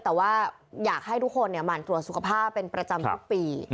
แต่ว่าอยากให้ทุกคนหมั่นตรวจสุขภาพเป็นประจำทุกปี